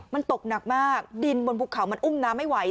มันตกหนักมากดินบนภูเขามันอุ้มน้ำไม่ไหว